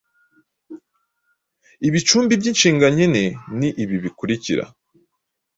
Ibicumbi by’inshinga nkene ni ibi bikurikira: